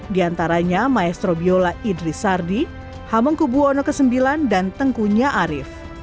diantaranya maestro biola idris sardi hamengkubu ono ix dan tengkunya arief